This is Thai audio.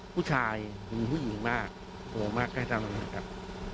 ผู้ชายห่วงผู้หญิงมากห่วงมากก็ใช่ตรงนั้นครับ